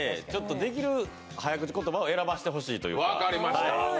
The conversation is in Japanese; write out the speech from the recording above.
できる早口言葉を選ばせてほしいということで分かりました。